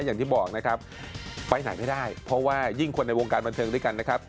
อย่างที่บอกนะครับไปไหนไม่ได้เพราะว่ายิ่งคนในวงการบันเทิงด้วยกันนะครับ